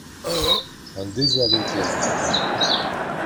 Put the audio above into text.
Un désaveu clair